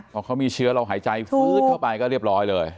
พอเขามีเชื้อเราหายใจฟื้นเข้าไปก็เรียบร้อยเลย